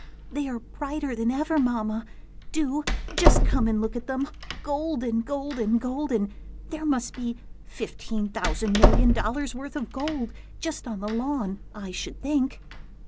"They are brighter than ever, Mamma! Do just come and look at them! golden, golden, golden! There must be fifteen thousand million dollars' worth of gold just on the lawn, I should think."